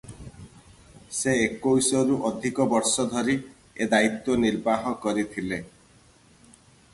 ସେ ଏକୋଇଶରୁ ଅଧିକ ବର୍ଷ ଧରି ଏ ଦାୟିତ୍ୱ ନିର୍ବାହ କରିଥିଲେ ।